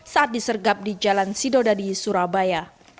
saat disergap di jalan sidodadi surabaya